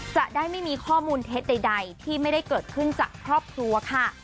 จะได้ไม่มีข้อมูลเท็จใดที่ไม่ได้เกิดขึ้นจากครอบครัวค่ะ